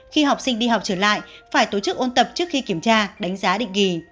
khi học sinh đi học trở lại phải tổ chức ôn tập trước khi kiểm tra đánh giá định kỳ